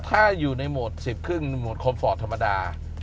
ถ้าอยู่ในโหมด๑๐ครึ่งโหมดคอมฟอร์ตธรรมดา